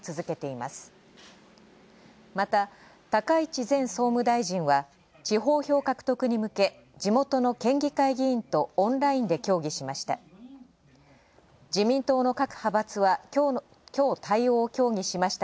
また、高市前総務大臣は地方票獲得に向け、地元の県議会委員とオンラインで協議しました。